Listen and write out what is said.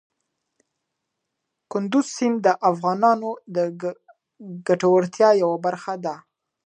کندز سیند د افغانانو د ګټورتیا یوه برخه ده.